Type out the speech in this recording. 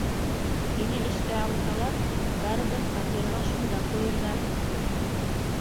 Һине эшкә алһалар, барыбер фатирға шунда ҡуйырҙар.